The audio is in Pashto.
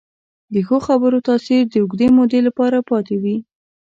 د ښو خبرو تاثیر د اوږدې مودې لپاره پاتې وي.